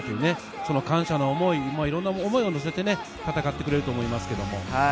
その感謝の思い、いろんな思いを乗せて戦ってくれると思います。